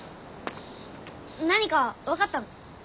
何かわかったの？